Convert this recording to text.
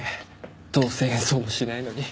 どうせ演奏もしないのに。